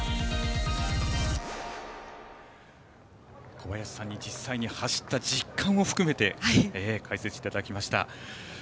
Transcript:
小林さんに実際に走った実感を含めて解説していただきました。